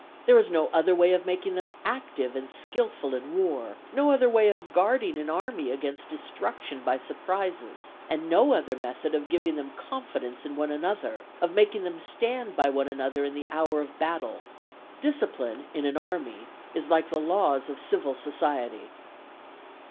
There is no other way of making them active and skilful in war; no other way of guarding an army against destruction by surprises; and no other method of giving them confidence in one another, of making them stand by one another in the hour of battle. Discipline in an army is like the laws of civil society."